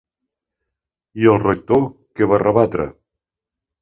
I el rector què va rebatre?